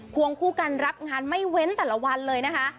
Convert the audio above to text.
วงคู่กันรับงานไม่เว้นแต่ละวันเลยนะคะ